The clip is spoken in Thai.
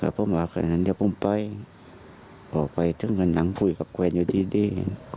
ก็ผมบอกว่าขนาดนี้ผมไปบอกไปทั้งเงินหนังคุยกับเพื่อนอยู่ดี